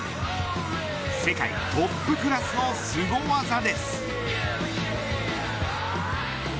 世界トップクラスのすご技です。